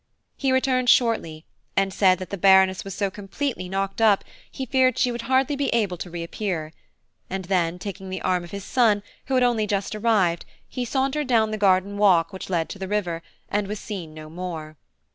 He returned shortly, and said that the Baroness was so completely knocked up, he feared she would hardly be able to reappear; and then, taking the arm of his son, who had only just arrived, he sauntered down the garden walk which led to the river, and was seen no more.